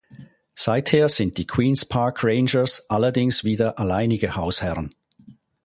Seither sind die Queens Park Rangers allerdings wieder alleinige Hausherren.